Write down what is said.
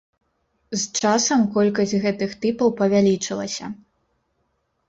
З часам колькасць гэтых тыпаў павялічылася.